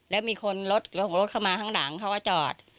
แล้วมีคนรถของรถเข้ามาข้างหลังเขาก็จอด